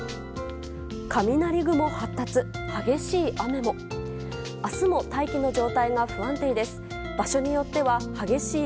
雷雲発達、激しい雨も。